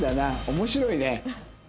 面白いね。